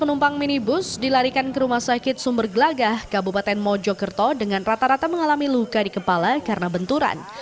penumpang minibus dilarikan ke rumah sakit sumber gelagah kabupaten mojokerto dengan rata rata mengalami luka di kepala karena benturan